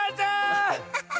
ハハハハ！